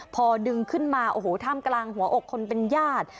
พอดึงขึ้นมาโอ้โหท่ามกลางหัวอกคนเป็นญาติ